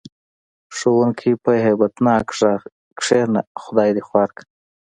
ښوونکي په هیبت ناک غږ: کېنه خدای دې خوار کړه.